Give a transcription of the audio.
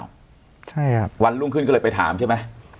วันรุ่งขึ้นก็เลยไปถามใช่ไหม